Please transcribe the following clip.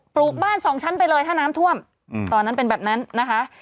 ลูกบ้านสองชั้นไปเลยถ้าน้ำท่วมตอนนั้นเป็นแบบนั้นนะคะ